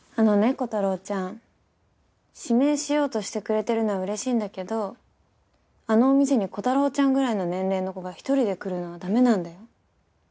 コタローちゃん指名しようとしてくれてるのは嬉しいんだけどあのお店にコタローちゃんぐらいの年齢の子が１人で来るのは駄目なんだよ。